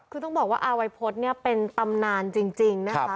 คือต้องบอกว่าอาวัยพฤษเนี่ยเป็นตำนานจริงนะคะ